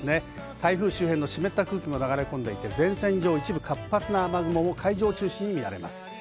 台風周辺の湿った空気が流れ込んでいて前線上一部活発な雨雲も海上を中心に見られます。